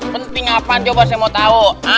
penting apa nek apa saya mau tahu